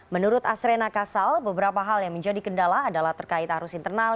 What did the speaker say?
menurut astrena kasal beberapa hal yang menjadi kendala adalah terkait arus internal